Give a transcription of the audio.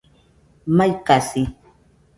Mai kasi